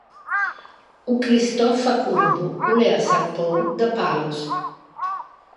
O Cristòffa Combo o l’ea sarpou da Palos.